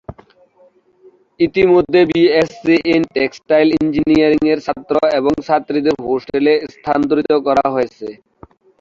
ইতিমধ্যে B S C in textile engineering এর ছাত্র এবং ছাত্রীদের হোস্টেলে স্থানান্তরিত করা হয়েছে।